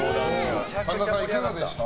神田さん、いかがでした？